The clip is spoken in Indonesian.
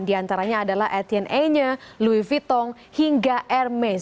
di antaranya adalah etienne enya louis vuitton hingga hermes